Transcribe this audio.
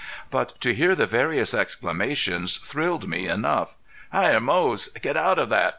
But to hear the various exclamations thrilled me enough. "Hyar Moze get out of that.